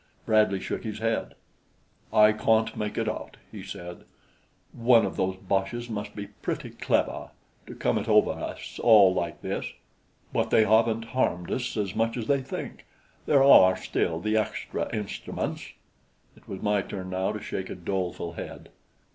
Bradley shook his head. "I can't make it out," he said. "One of those boches must be pretty clever to come it over us all like this; but they haven't harmed us as much as they think; there are still the extra instruments." It was my turn now to shake a doleful head.